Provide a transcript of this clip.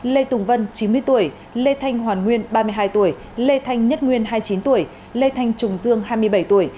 lê tùng vân chín mươi tuổi lê thanh hoàn nguyên ba mươi hai tuổi lê thanh nhất nguyên hai mươi chín tuổi lê thanh trùng dương hai mươi bảy tuổi